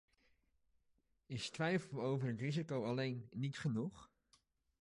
Is twijfel over het risico alleen niet genoeg?